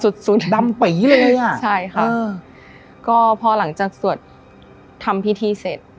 สุดดำปีเลยอ่ะใช่ค่ะเออก็พอหลังจากสวดทำพิธีเสร็จ